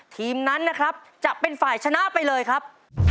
ทีมนั้นนะครับจะเป็นฝ่ายชนะไปเลยครับ